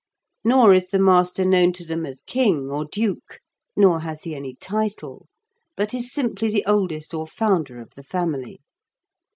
Nor is the master known to them as king, or duke, nor has he any title, but is simply the oldest or founder of the family.